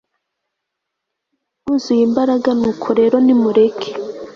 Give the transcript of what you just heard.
bwuzuye imbaraga Nuko rero nimureke